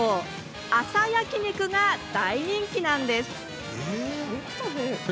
朝焼き肉が大人気なんです。